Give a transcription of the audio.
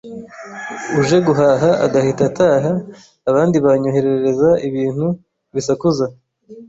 uje guhaha agahita ataha, abandi banyoherereza ibintu bisakuza